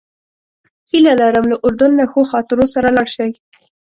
هیله لرم له اردن نه ښو خاطرو سره لاړ شئ.